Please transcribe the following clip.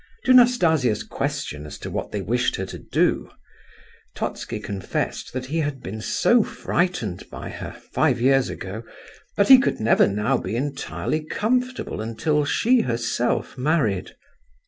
To Nastasia's question as to what they wished her to do, Totski confessed that he had been so frightened by her, five years ago, that he could never now be entirely comfortable until she herself married.